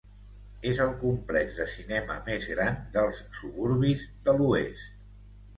És el complex de cinema més gran dels suburbis de l'oest.